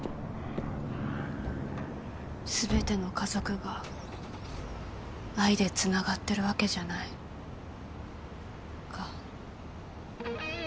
すべての家族が愛で繋がってるわけじゃないか。